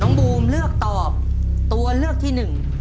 บูมเลือกตอบตัวเลือกที่หนึ่ง